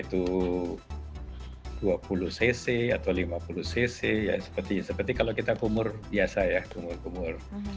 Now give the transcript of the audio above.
itu dua puluh cc atau lima puluh cc seperti kalau kita kumur biasa ya kumur kumur